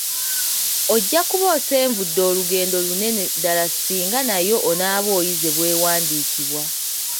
Ojja kuba osenvudde olugendo lunene ddala singa nayo onaaba oyize bw’ewandiikibwa.